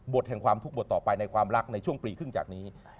แห่งความทุกข์บทต่อไปในความรักในช่วงปีครึ่งจากนี้